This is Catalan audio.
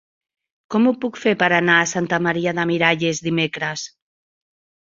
Com ho puc fer per anar a Santa Maria de Miralles dimecres?